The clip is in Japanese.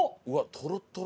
とろっとろ。